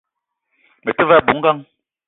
Me te ve a bou ngang